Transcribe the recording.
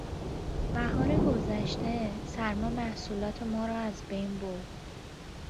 بهار گذشته، سرما محصولات ما را از بین برد.